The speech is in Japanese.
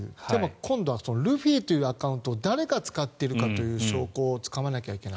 今度はルフィというアカウントを誰が使っているかという証拠をつかまなきゃいけない。